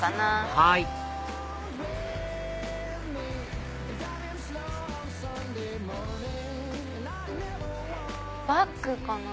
はいバッグかな？